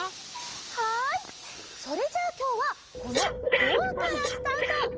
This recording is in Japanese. はいそれじゃあきょうはこの「ドア」からスタート！